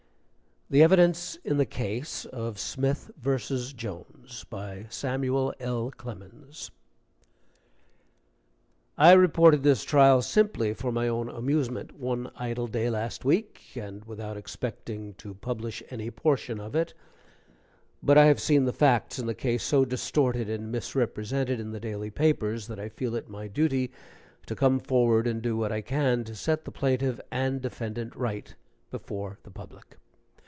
THE EVIDENCE IN THE CASE OF SMITH VS. JONES BY SAMUEL L. CLEMENS I reported this trial simply for my own amusement, one idle day last week, and without expecting to publish any portion of it but I have seen the facts in the case so distorted and misrepresented in the daily papers that I feel it my duty to come forward and do what I can to set the plaintiff and defendant right before the public.